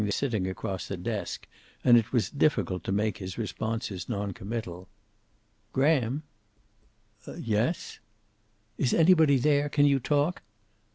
His new secretary was sitting across the desk, and it was difficult to make his responses noncommittal. "Graham!" "Yes." "Is anybody there? Can you talk?"